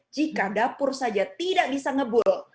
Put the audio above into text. jika dapur saja tidak bisa ngebul